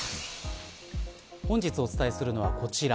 本日お伝えするのはこちら。